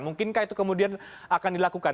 mungkinkah itu kemudian akan dilakukan